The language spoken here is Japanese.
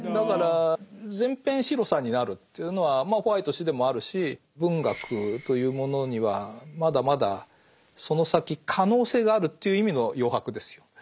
だから全編白さになるというのはまあホワイト氏でもあるし文学というものにはまだまだその先可能性があるという意味の「余白」ですよ。